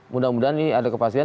mudah mudahan ini ada kepastian